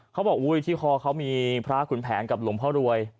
เขาบอกอุ้ยที่คอเขามีพระขุนแผนกับหลวงพ่อรวย